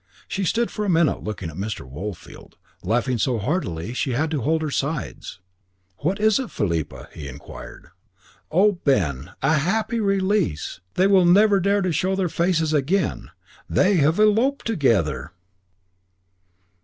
She stood for a minute looking at Mr. Woolfield, laughing so heartily that she had to hold her sides. "What is it, Philippa?" he inquired. "Oh, Ben! A happy release. They will never dare to show their faces again. They have eloped together."